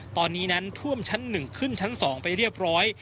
ตอนนี้นั้นท่วมชั้น๑ขึ้นชั้น๒ไปเรียบร้อย